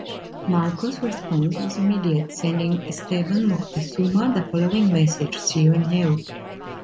Marcos response was immediate, sending Esteban Moctezuma the following message: "See you in hell".